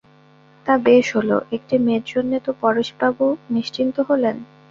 তা বেশ হল, একটি মেয়ের জন্যে তো পরেশবাবু নিশ্চিন্ত হলেন!